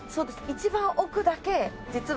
一番奥だけ実は。